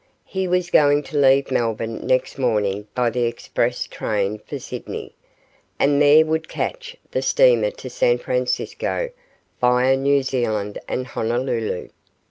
He was going to leave Melbourne next morning by the express train for Sydney, and there would catch the steamer to San Francisco via New Zealand and Honolulu.